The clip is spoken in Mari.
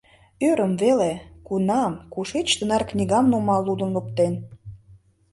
Ӧрым веле: кунам, кушеч тынар книгам нумал, лудын оптен?!.